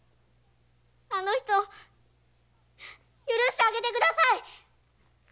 あの人を許してあげてください‼